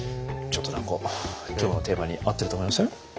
ちょっと何か今日のテーマに合ってると思いません？